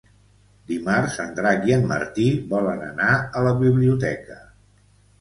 Dimarts en Drac i en Martí volen anar a la biblioteca.